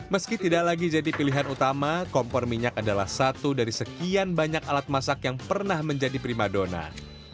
meski tidak lagi jadi pilihan utama kompor minyak adalah satu dari sekian banyak alat masak yang pernah menjadi prima donat